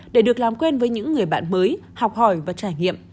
để được làm quen với những người bạn mới học hỏi và trải nghiệm